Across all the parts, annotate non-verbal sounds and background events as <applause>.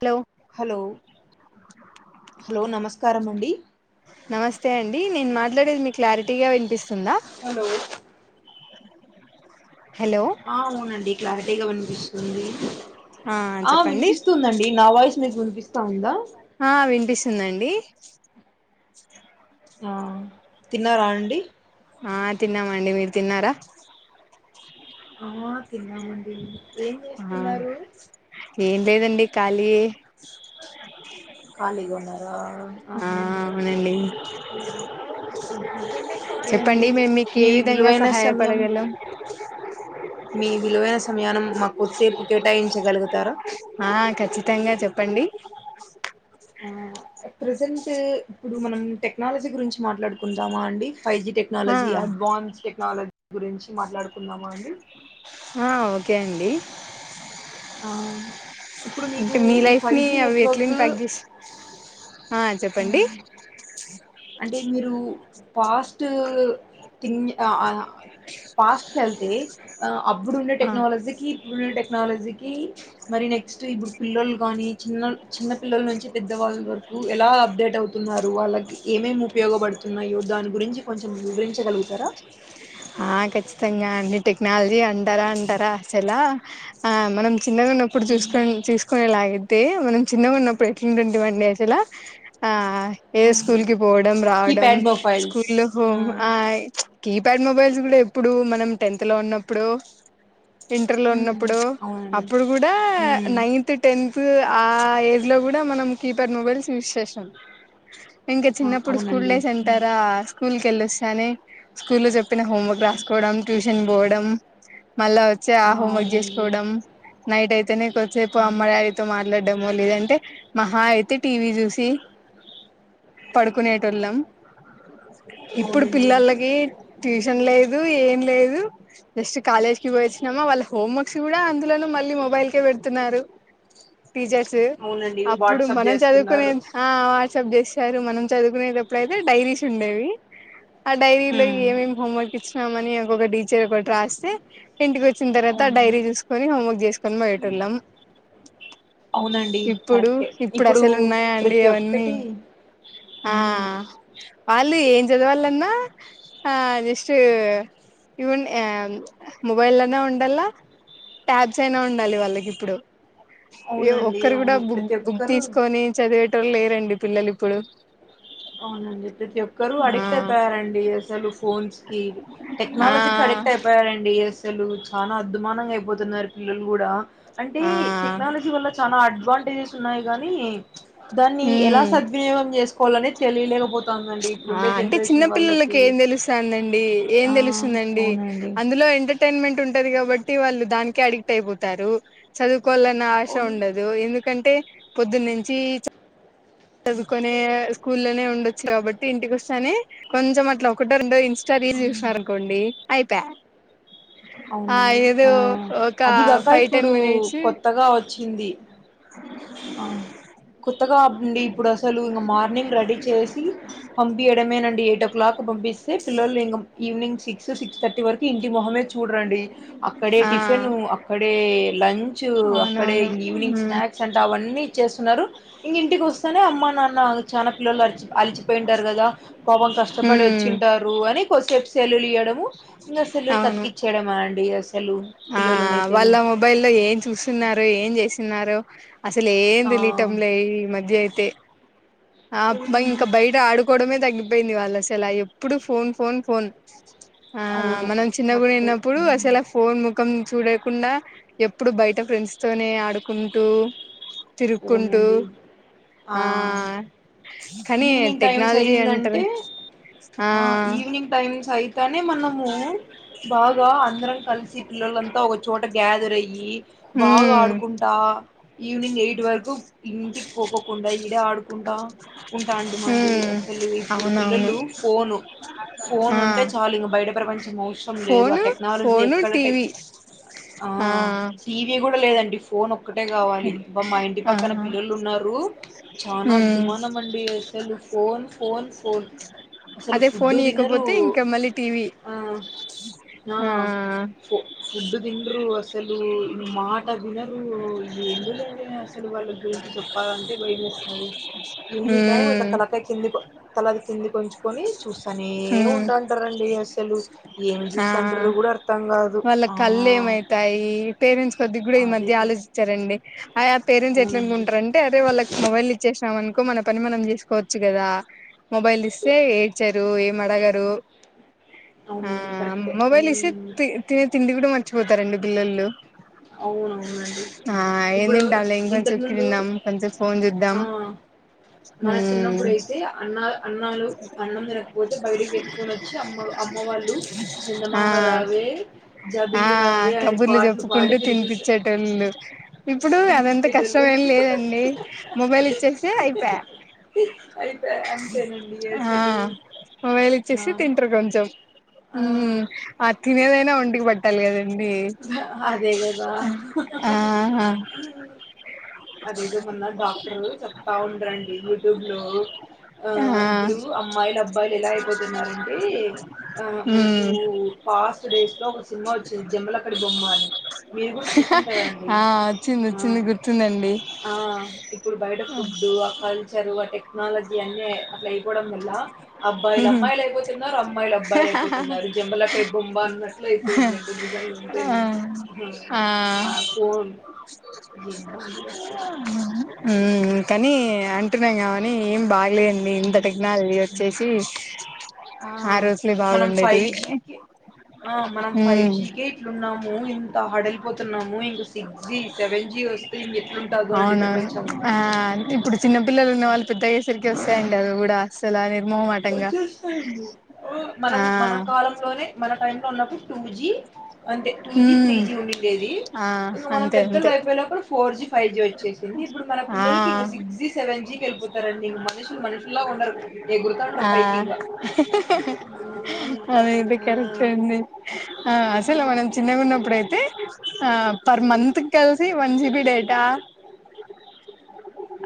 Hello hello hello నమస్కారమండి నమస్తే అండి నేను మాట్లాడేది మీక్ క్లారిటీగా వినిపిస్తుందా హలో హలో ఆ అవునండి క్లారిటీగా వినిపిస్తుంది ఆ వినిపిస్తుందండి నా వాయిస్ మీకు వినిపిస్తా ఉందా ఆ వినిపిస్తుందండి ఆ తిన్నారా అండి ఆ తిన్నామండి మీరు తిన్నారా ఆ తిన్నామండి ఏం ఆ చేస్తున్నారు ఏం లేదండి ఖాళీ ఏ ఖాళీగా ఉన్నారా ఆహా అవునండి ఓకే అండి చెప్పండి మేము మీకు మీ ఏ విధంగా విలువైన సమయం సహాయపడగలం మీ విలువైన సమయానం మా కొద్దిసేపు కేటాయించగలుగుతారా ఆ ఖచ్చితంగా చెప్పండి ఆ ఎట్ ప్రజెంట్ ఇప్పుడు మనం టెక్నాలజీ గురించి మాట్లాడుకుంటామా అండి ఫైవ్జీ ఆ టెక్నాలజీ అడ్వాన్స్ టెక్నాలజీ గురించి మాట్లాడుకుందామా అండి ఆ ఓకే అండి ఆ ఇప్పుడు మీకు అంటే మీ ఈ ఫైవ్ లైఫ్ని జి అవి ఎట్ల నెట్వర్క్ ఇంపాక్ట్ చెస్ ఆ చెప్పండి అంటే మీరు పాస్ట్ థింగ్ ఆ ఆ పాస్ట్కేళ్తే ఆ అప్పుడుండే ఆ టెక్నాలజీకి ఇప్పుడుండే టెక్నాలజీకి మరి నెక్స్ట్ ఇప్పుడు పిల్లోలు గాని చిన్న చిన్న పిల్లల నుంచి పెద్దవాళ్ళ వరకు ఎలా అప్డేట్ అవుతు న్నారు వాళ్ళకి ఏమేమి ఉపయోగపడుతున్నాయో దాని గురించి కొంచెం వివరించగలుగుతారా ఆ ఖచ్చితంగా అండి టెక్నాలజీ అంటారా అంటారా అసలా ఆ మనం ఆ, చిన్నగున్నప్పుడు చూసుకొని చూసుకునేలాగద్ తే మనం చిన్నగఉన్నప్పుడు ఎట్లుంటింటివండి అసలు ఆ ఏ అవును. స్కూల్ కి పోవడం రావడం కీప్యాడ్ మొబైల్స్ స్కూల్లో హోమ్ ఆ చ్ కీప్యాడ్ మొబైల్ కూడా ఎప్పుడు మనం టెన్త్ లో ఉన్నప్పుడో ఇంటర్ లో ఉమ్ ఉన్నప్పుడో అవునండి అప్పుడు కూడా ఉమ్ నైన్త్ టెన్త్ ఆ ఏజ్ లో కూడా మనం కీప్యాడ్ మొబైల్స్ యూజ్ చేసాం ఇంకా ఆ చిన్నప్పుడు స్కూల్ అవునండి డేస్ ఉమ్, అంటారా స్కూల్ కి వెళ్ళొస్తాని స్కూల్ లో చెప్ హోంవర్క్ రాసుకోవడం ట్యూషన్ పోవడం మళ్ళా వచ్చే ఆ హోం వర్క్ చేసుకోవడం నైట్ అయితేనే కొంసేపు ఆ, అమ్మ డాడీ తో మాట్లాడడం మో లేదంటే మహా అయితే టీవీ చూసి పడుకునేటోళ్లం ఇప్పుడు అవునండి పిల్లలకి ట్యూషన్ లేదు ఏం లేదు జస్ట్ కాలేజ్ కి పోయి వచ్చినామా వాళ్ళ హోమ్వర్క్స్ కూడా అందులోన మళ్ళీ మొబైల్ కే పెడుతున్నారు టీచర్స్ అవునండి. అప్పుడు వాట్సాప్ మనం చదువుకునే జేస్తున్నారు. ఆ వాట్సాప్ చేసారు మనం చదువుకునేటప్పుడు అయితే డైరీస్ ఉండేవి ఆ డైరీలో హ్మ్. ఏమేమి హోమ్వర్క్ ఇచ్చినామని ఒక్కొక్క టీచర్ ఒకటి రాస్తే ఇంటికి వచ్చిన తర్వాత అవునండి. డైరీ చూసుకొని హోంవర్క్ చేసుకొని పోయేటోళ్లం అవునండి. ఇప్పుడు కరెక్టే. ఇప్పుడు అసలు ఉన్నాయా అండి ప్రతి అవన్నీ ఒక్కటి ఆ హ్మ్. వాళ్ళు ఏం చదవాలన్నా ఆ జస్ట్ ఇవన్ ఆ మొబైల్ లోనే ఉండలా ట్యాబ్స్ అయినా ఉండాలి వాళ్ళకి ఇప్పుడు ఏ అవునండి. ఒక్కరు కూడా అవును. బుక్ ప్రతి బుక్ ఒక్కరు తీసుకొని చదివే టోళ్లులేరండి పిల్లలు ఇప్పుడు అవునండి ప్రతి ఒక్కరు ఆ అడిక్ట్ అయిపోయారండి అసలు ఫోన్స్ కి ఆ టెక్నాలజీకి అడిక్ట్ అయిపోయారండి అసలు చాలా అద్మానంగా అయిపోతున్నారు పిల్లలు కూడా అంటే ఆ టెక్నాలజీ వల్ల చాలా అడ్వాంటేజెస్ ఉన్నాయి గాని దాన్ని ఎలా సద్వినియోగం చేసుకోవాలని చ్ ఆ అంటే చిన్నపిల్లలకి వాళ్ళకి. ఏం తెలుస్తాందండి ఏం ఆ! తెలుస్తుందండి అవునండి. అ అందులో ఎంటర్టైన్మెంట్ ఉంటది కాబట్టి వాళ్ళు దానికే అడిక్ట్ అయిపోతారు చదువుకోవాలన్న ఆశ అవును. ఉండదు ఎందుకంటే పొద్దున్నించి చదువుకునే స్కూల్లోనే ఉండొచ్చు కాబట్టి ఇంటికి వస్తేనే కొంచెం అట్లా ఒకటో రెండో ఇ న్స్టా రీల్స్ అవును చూసినారనుకోండి అయిపోయా అవునండి ఆ ఒక అదిగాక ఫైవ్ టెన్ ఇప్పుడు మినిట్స్ కొత్తగా వచ్చింది ఆ కొత్తగా అండి ఇప్పుడు అసలు ఇంక మార్నింగ్ రెడీ చేసి పంపయడమేనండి ఏట క్లాక్ పంపిస్తే పిల్లలు ఇంగ ఈవనింగ్ సిక్స్ సిక్స్ థర్టీ వరకు ఇంటి మొహమే చూడరండి అక్కడే ఆ టిఫిన్ అక్కడే లంచ్ అక్కడ అవునవును ఈవినింగ్ మ్మ్ స్నాక్స్ అంటే అవన్నీ చేస్తున్నారు ఇంగ ఇంటికి వస్తానే అమ్మ నాన్న చానా పిల్లలు అరిచి అలిచిపోయింటారు కదా పాపం కష్టపడి మ్మ్ వచ్చింటారు అని కొద్దిసేపు సెల్లు ఇయ్వడము ఇంకా సెల్లు అవును కతికిచ్చ చెడ మాడి ఆసలూ ఆ వాళ్ళ మొబైల్ లో ఏం చూస్తున్నారు ఏం చేస్తున్నారు అసలు ఏం ఆ తెలియటం లే ఈ మధ్య అయితే ఆబ్బ అవునండి. ఇంకా బయట ఆడుకోవడమే తగ్గిపోయింది వాళ్ళు అసలు ఎప్పుడు ఫోన్ ఫోన్ ఫోన్ ఆ అవును మనం చిన్న గుడి కరెక్టే విన్నప్పుడు హ్మ్. అసెల ఫోన్ ముఖం చూడకుండా ఎప్పుడు బయట ఫ్రెండ్స్ తోనే ఆడుకుంటూ తిరుకుంటు అవునండి ఆ కానీ ఈవినింగ్ టైమ్స్ టెక్నాలజీ అంటర్ అయిందంటే ఆ టైమ్స్ అయితేనే మనము బాగా అందరం కలిసి పిల్లలంతా ఒకచోట గ్యాదర్ అయ్యి బాగా ఉమ్ ఆడుకుంటా ఈవినింగ్ ఎయిట్ ఉఇంటికి పోకోకుండా ఈడే ఆడుకుంటా కుంటా అంటడి మండి ఉమ్ అసలు ఇప్పుడు అవునవును పిల్లలు ఫోను ఆ వాలుయిక బయట ప్రపంచం మోస్ట్ మొత్తం లేదు ఆ ఫోను టెక్నాలజీ ఫోను ఎక్కడ టె టీవీ ఆ ఇ కూడా లేదండి ఫోన్ ఒక్కటే కావాలి మా ఇంటి ఆ పక్కన పిల్లలు ఉన్నారు చానా ఉమ్ అద్మానం అండి అసలు ఫోన్ ఫోన్ ఫోన్ అసలు అదే ఫుడ్ ఫోన్ దినరు ఇయకపోతే ఇంకా మళ్ళీ టీవీ ఆ ఆ ఫు ఫుడ్ తినరు అసలు ఇ మాట వినరు ఎందు లేండి అసలు వాళ్ళ గురించి చెప్పాలంటే భయ వేస్తుంది ఎన్ని టైమ్ ఇలా హ్మ్ తలక కింది తలది కిందికి ఉంచుకొని చూస్తానే హ్మ్ ఉంటాంటారండి అసలు ఏమి ఆ చూస్తంటారు కూడా అర్థం కాదు వాళ్ళ కళ్ళు ఆ ఏమైతాయి పేరెంట్స్ కొద్ది కూడా ఈ అదే మధ్య కదా. ఆలోచించారండి ఆ పేరెంట్స్ ఎట్ల అవునండి అనుకుంటారంటే అదే వాళ్ళకి మొబైల్ ఇచ్చేసినాం అనుకో మన పని మనం చేసుకోవచ్చు కదా మొబైల్ ఇస్తే ఏచారు ఏం అడగరు ఆ అవునండి కరెక్టే మొబైల్ ఇసి హ్మ్. త తిండి కూడా మర్చిపోతారు రెండు పిల్లలు అవునవునండి ఆ ఏం ఇప్పుడు తింటాంలే ఇంతకు ఇంకొంచెం ముందు తిందాం కొంచెం ఫోన్ చూద్దాం ఆ మన హ్మ్ చిన్నప్పుడుయితే అన్నా అన్నాలు అన్నం తినకపోతే బయటకి ఎత్తుకున్నీ వచి అమ్మ అమ్మ వాళ్ళు చిందమామ ఆ రావే జబిలి రావే ఆయన పాటలు పాడి కుంటూ తినిపిస్త తినిపచ్చేటోళ్ళు ఇప్పుడు అదంత కష్టమ తినిపించేటోళ్ళు ఏం లేదండి మొబైల్ ఇచ్చేసి అయిపోయా అయితే అంతేనండి ఆ అసలు మొబైల్ ఇచ్చేసి చానా తింటారు కొంచెం ఉ ఆ ఆ తినేదైనా ఒంటికి పట్టాలి కదండి అదే కదా ఆహా అదేదో మొన్న డాక్టర్ చెప్తా ఉండరండి యూట్యూబ్ లో ఆ ఇప్పుడు అమ్మాయిలు అబ్బాయిలు ఎలా అయిపోతున్నంటే ఆ మనకు మ్మ్ పాస్ట్ డేస్ లో ఒక సినిమా వచ్చింది జమ్మల లక్కడి బొమ్మని మీరు కూడా చూసిన కదండి ఆ వచ్చింది ఆ వచ్చింది గుర్తుందండి ఆ ఇప్పుడు బయట ఫుడ్డు ఆ కల్చర్ ఆ టెక్నాలజీ అన్ని అట్లా అయిపోవడం వల్ల అబ్బాయిలు అమ్మాయిలు అయిపోతున్నారు అమ్మాయిలు అబ్బాయిలు అయిపోతున్నారు జబల బొమ్బ అన్నట్ల అయిపోయిందంటడి నిజంగా ఆ తను ఆ ఫోన్ జీంద ఉడి అసలు ఊ కానీ అంటి తన్నాయి కానీ ఏం బాగిలెన్ నే ఇంతటి ఉమ్, టెక్నాలజీ ఉమ్. వచ్చేసీ ఆ రోజులే మనం ఫైవ్ బాగుండేటివి జీకి ఆ మనం ఫైవ్ ఉమ్ జీ కే ఇట్లున్నాము ఇంత హడలిపోతున్నాము ఇంకా సిక్స్ జీ సెవెన్ జి వస్ వత్తే ఎట్లుంటాదో అండి అవునవును ప్రపంచం ఆ ఇప్పుడ్ చిన్న పపిల్లలు ఉన్నవాళ్ళు పెద్దయ్యేసరికి వస్తాయండి అవి కూడా అసల నిర్మోమా వచ్చేస్తాండ్ ఓ మనం ఆ మన కాలంలోనే మన టైమ్ లో ఉన్నప్పుడు టూ జీ అంటే టూ జీ త్రీ ఉమ్ జీ ఉండిడేద్ది ఆ ఇక మనం అంతే పెద్దలు అంతే అయిపోయినప్పుడు కూడా ఫోర్ జి ఫైవ్ జి వచ్చేసింది ఇప్పుడు మన ఆ పిల్లోళ్ళకి ఇంకా సిక్స్ జీ సెవెన్ జీకి వెళ్ళిపో టారండి మనుషులు మనుషులా ఉండరు ఎగురుతా ఉంటారు ఆ పైకి ఇంగా మ్మ్. అదైతే ఆ కరెక్ట్ అన్ మీరి ఆ అసలు మనం చిన్నగున్నప్పుడు అయితే హా పర్ మంత్ కి కలిసి వన్ జిబి డేటా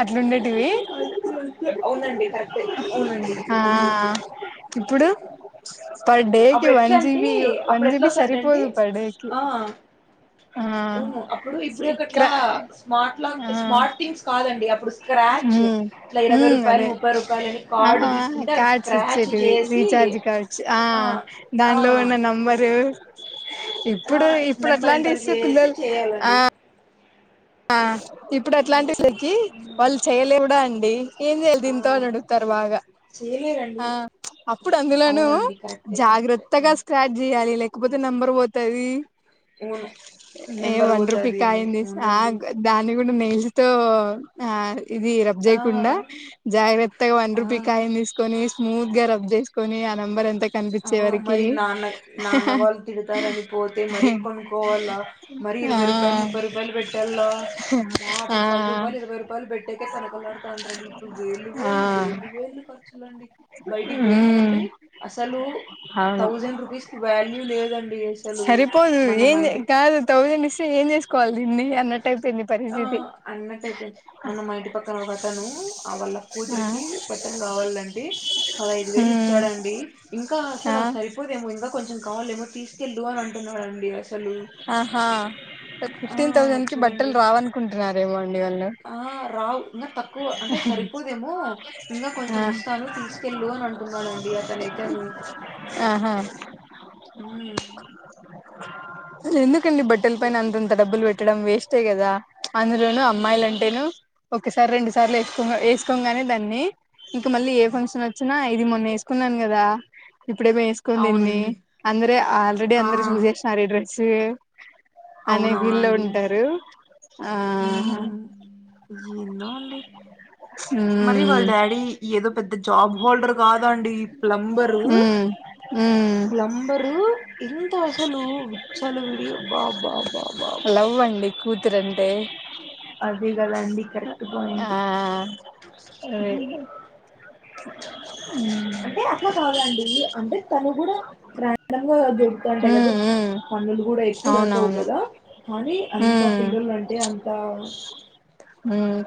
అట్లుండేటివి అంతే అంతే అవునండి కరెక్టే అవునండి ఆ ఇప్పుడు పర్డేకి అప్పుడు వన్ ఎట్లా అంటే జిబి వన్ అప్పుడు ఎట్లా జిబి వస్తంటే సరిపోదు పర్డేకి ఉ వును అప్పుడు ఇప్పుడాకట్లా స్మార్ట్ లాగ్ ఆ స్మార్ట్ థింగ్స్ కాదండి అప్పుడు స్క్రాచ్ ఉమ్ ఇట్లా ఇరవై ఉమ్ అదే రూపాయలు ముప్పై రూపాయలు అని ఆ కార్డు తీసుకుంటే అద్ స్క్రాచ్ చేసీ స్ ఆ దానిలో ఉన్న నంబరూ ఆ! ఇప్పుడు ఇప్పుడు నంబర్ అట్లాంటి ఎంటర్ ఇస్తే జేసి పిల్లలు ఆ చేయాలండి. ఆ ఇప్పుడు హ్మ్. అట్లాంటి <unintelligible> హ్మ్. వాళ్ళు చేయలేవుడా అండి ఏం జేయాల దీంతో అని అడుగుతారు బాగా చేలేరన్ ఆ అప్పుడు అందులోనూ కరెక్టే. కరెక్టే. అవును. జాగ్రత్తగాస్ స్టార్ట్ చేయాలి లేకపోతే నెంబర్ పోతాది అవును. ఏ నెంబర్ వన్ రూపీ పోతది అని. కాయిన్ థిస్ అవునండి. ఆగ్ దాన్ని కూడా నెయిల్స్ తో ఆ ఇది రప్ ఆ! జేకుండా జాగ్రత్తగా వన్ రూపీ ఆ! కాయిన్ థిస్ కొని స్మూత్ గా రబ్ చేసుకొని ఆ నంబర్ ఎంతక్ ఆవు మరి నాన్న నాన్నవాళ్ళు తిడతారని పోతే మరి కొనుక్కోవల్ల మరి ఆ ఇరవై రూపాయలు ముప్పై రూపాయలు పెట్టల్ల అమ్మా ఆ అప్పుడు పది రూపాయలు ఇరవై రూపాయలు పెట్టేకే తనకలాడుతాండ్రి అండి ఇప్పుడు వేళ్ళు ఆ వేళ్ళు వేళ్ళు వేళ్ళు కస్ చూడండి బయటికి పోయినామంటే ఉమ్ అసలు అవును థౌజండ్ రూపీస్కి వాల్యూ లేదండి అసలు మన్ ఎందే కాదు థౌజండ్ ఇస్తే ఏం చేసుకోవాలి దీన్ని అన్నట్ ఆ అన్నట్ అయిపోయింది మన్న మా ఇంటి పక్కన ఒకతను ఆ వల్ల ఆ కూతురికి బట్టలు కావాలంటే పదహైదు వేలు ఉమ్ ఇచ్చాడండి ఇంకా ఆ అసలు సరిపోదేమో ఇంకా కొంచెం కావలేమో తీసుకెళ్ళు అని అంటున్నాడండి అస్ ఆహా ఓ ఆ ఫిఫ్టీన్ థౌసండ్ కి బట్టలు చూడండి రావనుకుంటున్నారేమో అండి వాళ్ళు ఆ రావు ఇంకా తక్కువ అంటే సరిపోదేమో ఇంగా కొంచెం ఆ ఇస్తాను తీస్ తీసుకెళ్ళు అని అంటున్నాడండి అతనైతేను ఆహా హ్మ్మ్ ఇల్ ఎందుకండి బట్టల పైన ఎ- అంతంత డబ్బులు పెట్టడం వేస్టే కదా అందులోను అమ్మాయిలు ఏమో అండి. అంటేను ఒకసారి రెండు సార్లు వేసుకో వేసుకొంగానే దాన్ని ఇంక మళ్ళీ ఏ ఫంక్షన్ వచ్చినా ఇది మొన్న వేసుకున్నాను కదా ఇప్పుడెం వేసుక్ కున్నింది అవునండి అందరు ఆల్రెడీ ఆ అందరు చూసేసినారు ఈ డ్రెస్ అనే ఫీల్లో అవునవునండి ఉంటారు ఆ హ ఎందో అండి మరి మ్మ్ వాళ్ళ డాడీ ఏదో పెద్ద జాబ్ హోల్డర్ కాదు అండి ప్లంబరు హు ఉ ప్లంబరు ఎంత అసలు విచ్చలు విడి బా బా బా బా బా కూతురు అంటే అది కదా అండి కరెక్ట్ పాయింట్ హు ఉ అట్ల కాదండి అంటే తను కూడ రాండం గా గుతంటే కదు మ్మ్ మ్మ్ పన్నులు కూడా ఎక్కువ ఇకవు అవునవును కదా కానీ అంత ఉమ్ పిల్లలు అంటే అంత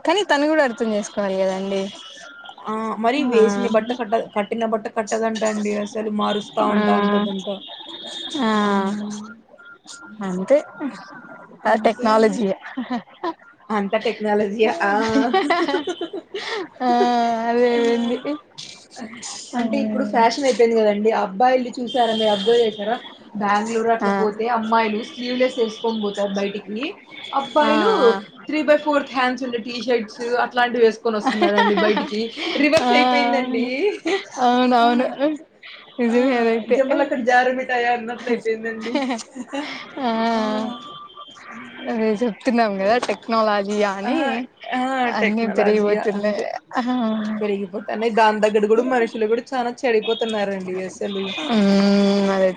కానీ తను కూడ అర్థం చేసుకోవాలి కదండి ఆ మరి ఆ వేసిన బట్ట కట్ట కట్టిన బట్ట కట్టదంట అండి అసలు మారుస్తు స్తా ఆ ఉంటా అంటదంట ఆ అంతే ఆ టెక్నాలజీ అంత టెక్నాలజి య ఆ ఆ ఆ అదేవంది అంటే ఇప్పుడు ఫ్యాషన్ అయిపోయింది కదండి అబ్బాయిలు చూసార మీరు అబ్జర్వ్ చేశారా బెంగళూరు ఆ అట్ల పోతే అమ్మాయిలు స్లీవ్ లెస్ వేసుకొని పోతారు బయటికి ఆ ఆ అబ్బాయిలు త్రీ బై ఫోర్త్ హ్యాండ్స్ ఉండే టీ షర్ట్స్ అట్లాంటివి వేసుకొని వస్తున్నారండి బయటికి ఆ రివర్స్ అయి పోయిందండి అ అవునవును ఆ నిజమే అదైతే జంబలక్కడి జారుమిట్టాయ అన్నట్ల అయిపోయిందండి ఆ ఆ అదే చెప్తున్నాం కదా టెక్ టెక్నాలజీ ఆ అని ఆ అన్నిీ టెక్నాలజీయే తిరిగిపోతున్నాయ్ బట్ అనే దాని దగ్గర కూడ మనుషులు కూడా చాలా చెడిపోతున్నారండి అసలు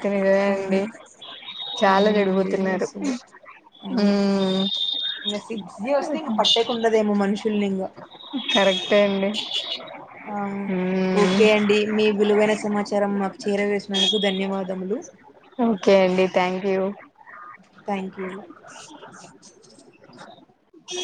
అ కదా అవును అండి చాలా అవునండి జరుగుతున్నారు అసలు ఇంక సిక్స్ జి వస్తే ఇంక పట్టేకు ఉండదేమో మనుషుల్ని ఇంకా కరెక్టే అండి ఆ ఉమ్ ఓకే అండి మీ విలువైన సమాచారం మాకు చేరవేసినందుకు ధన్యవాదములు ఓకే అండి థ్యాంక్ యూ థ్యాంక్ యూ